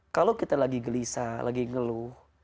kalau kita lagi gelisah lagi ngeluh